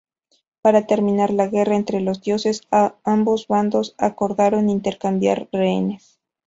Para terminar la guerra entre los dioses, ambos bandos acordaron intercambiar rehenes.